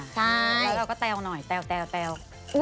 ใช่แล้วเราก็แตวหน่อยแตว